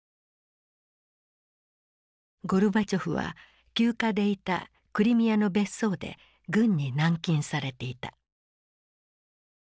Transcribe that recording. ゴルバチョフは休暇でいたクリミアの別荘で軍に軟禁されていた。